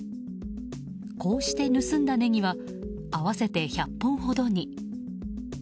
こうして盗んだネギは合わせて１００本ほどに。